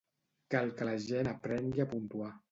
Cal que la gent aprengui a puntuar.